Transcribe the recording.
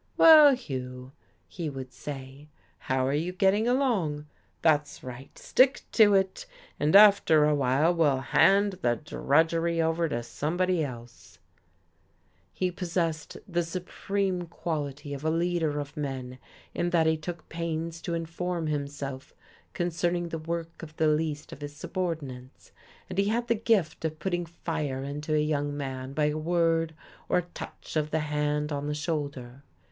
"Well, Hugh," he would say, "how are you getting along? That's right, stick to it, and after a while we'll hand the drudgery over to somebody else." He possessed the supreme quality of a leader of men in that he took pains to inform himself concerning the work of the least of his subordinates; and he had the gift of putting fire into a young man by a word or a touch of the hand on the shoulder.